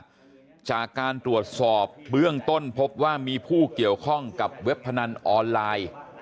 จากการตรวจสอบเบื้องต้นพบว่ามีผู้เกี่ยวข้องกับเว็บพนันออนไลน์